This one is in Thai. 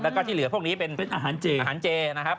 แล้วก็ที่เหลือพวกนี้เป็นอาหารเจอาหารเจนะครับ